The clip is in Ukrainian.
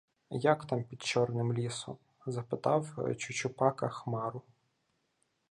— Як там під Чорним лісом? — запитав Чучупака Хмару.